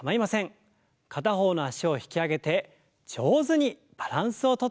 片方の脚を引き上げて上手にバランスをとっていきましょう。